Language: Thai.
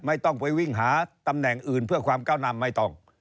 ไม่ต้องไปวิ่งหาตำแหน่งอื่นเพื่อความก้าวนำไม่ต้อง